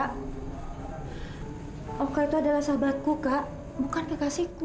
kaka itu adalah sahabatku kak bukan kekasihku